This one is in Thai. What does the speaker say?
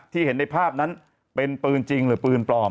เห็นในภาพนั้นเป็นปืนจริงหรือปืนปลอม